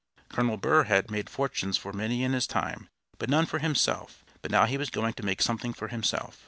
Colonel Burr had made fortunes for many in his time, but none for himself; but now he was going to make something for himself.